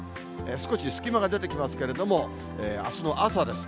少し隙間が出てきますけれども、あすの朝です。